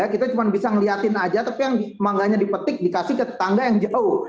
kita cuma bisa ngeliatin aja tapi yang mangganya dipetik dikasih ke tetangga yang jauh